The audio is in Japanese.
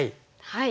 はい。